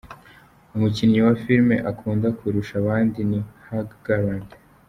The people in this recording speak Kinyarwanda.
Umukinnyi wa Filimi akunda kurusha abandi ni Hugh Grant.